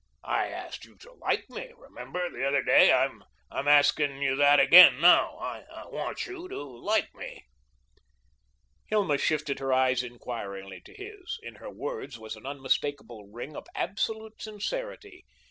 "I asked you to like me, remember, the other day. I'm asking you that again, now. I want you to like me." Hilma lifted her eyes inquiringly to his. In her words was an unmistakable ring of absolute sincerity.